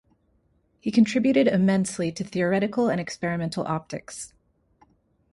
He contributed immensely to theoretical and experimental optics.